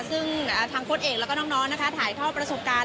ซึ่งอ่าทางโพสต์เอกแล้วก็น้องน้องนะคะถ่ายเข้าประสบการณ์